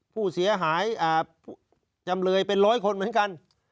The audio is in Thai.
ผู้เสียหายจำเลยเป็นร้อยคนเหมือนกัน